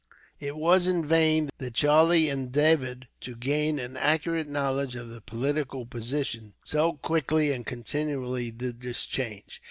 It was in vain that Charlie endeavoured to gain an accurate knowledge of the political position, so quickly and continually did this change.